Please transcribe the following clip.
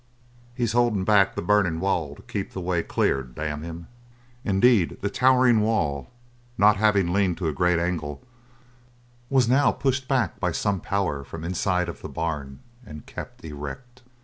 "He's holdin' back the burnin' wall to keep the way clear, damn him!" Indeed, the tottering wall, not having leaned to a great angle, was now pushed back by some power from the inside of the barn and kept erect.